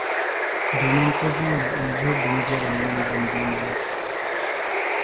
Domin ti zaŋ li n-yihi bimbɛlim mini bimbilma na.